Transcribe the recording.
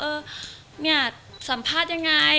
เนี่ยสัมภาษณ์ยังไง